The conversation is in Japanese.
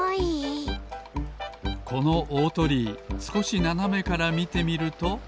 このおおとりいすこしななめからみてみると。